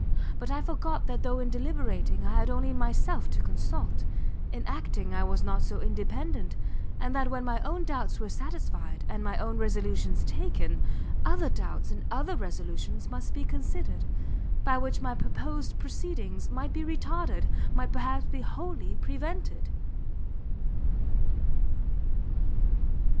but I forgot that though in deliberating I had only myself to consult, in acting I was not so independent; and that when my own doubts were satisfied, and my own resolutions taken, other doubts and other resolutions must be considered, by which my purposed proceedings might be retarded, might perhaps be wholly prevented!"